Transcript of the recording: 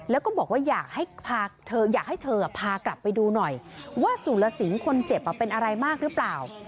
แล้วก็บอกว่าอยากให้เธอพากลับไปดูหน่อยว่าสุรสิงห์คนเจ็บเป็นอะไรมากหรือเปล่า